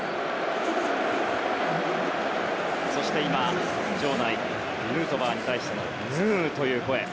そして今、場内ヌートバーに対してヌーという声。